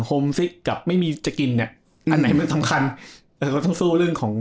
โฮมซิกกับไม่มีจะกินเนี้ยอันไหนมันสำคัญเออก็ต้องสู้เรื่องของ